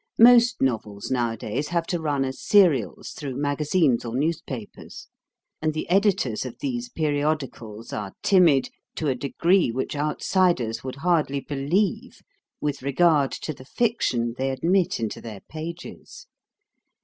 Most novels nowadays have to run as serials through magazines or newspapers; and the editors of these periodicals are timid to a degree which outsiders would hardly believe with regard to the fiction they admit into their pages.